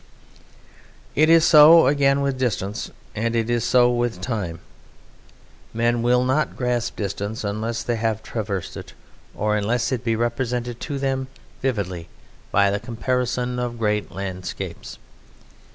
It is so again with distance, and it is so with time. Men will not grasp distance unless they have traversed it, or unless it be represented to them vividly by the comparison of great landscapes.